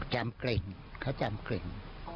กลิ่นเขาจำกลิ่น